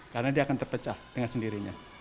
karena dia akan terpecah dengan sendirinya